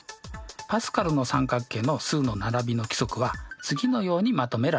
パスカルの三角形の数の並びの規則は次のようにまとめられます。